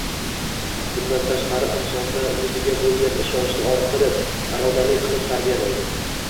Bundan tashqari, insonda o‘ziga bo‘lgan ishonchni orttirib, irodali qilib tarbiyalaydi